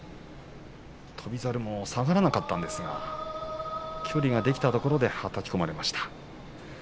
翔猿も下がらなかったですが距離ができたところではたき込まれました。